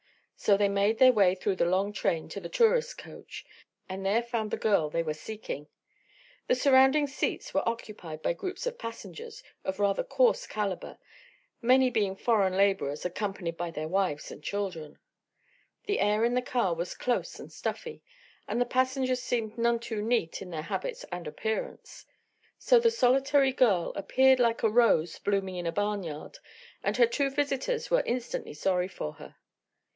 So they made their way through the long train to the tourist coach, and there found the girl they were seeking. The surrounding seats were occupied by groups of passengers of rather coarse caliber, many being foreign laborers accompanied by their wives and children. The air in the car was close and "stuffy" and the passengers seemed none too neat in their habits and appearance. So the solitary girl appeared like a rose blooming in a barnyard and her two visitors were instantly sorry for her.